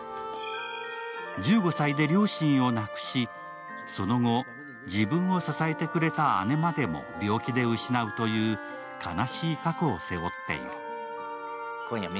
１５歳で両親を亡くし、その後、自分を支えてくれた姉までも病気て失うという悲しい過去を背負っている。